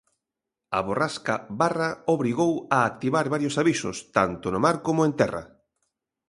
A borrasca Barra obrigou a activar varios avisos, tanto no mar como en terra.